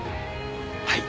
はい。